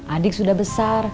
adik sudah besar